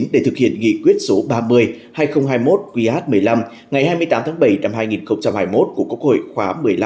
để thực hiện nghị quyết số ba mươi hai nghìn hai mươi một qh một mươi năm ngày hai mươi tám tháng bảy năm hai nghìn hai mươi một của quốc hội khóa một mươi năm